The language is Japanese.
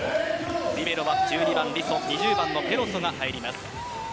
リベロは１２番のリソと２０番のペロソが入ります。